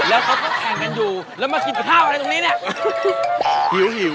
แล้วเขาก็แข่งกันอยู่แล้วมากินข้าวอะไรตรงนี้เนี่ยหิว